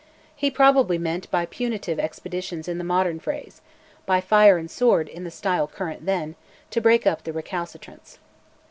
He probably meant by "punitive expeditions" in the modern phrase by "fire and sword," in the style current then to break up the recalcitrants.